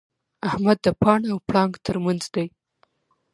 احمد د پاڼ او پړانګ تر منځ دی.